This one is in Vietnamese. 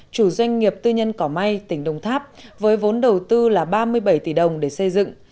chủ doanh nghiệp tư nhân cỏ may tỉnh đồng tháp với vốn đầu tư là ba mươi bảy tỷ đồng để xây dựng